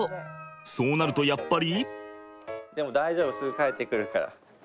そうなるとやっぱり。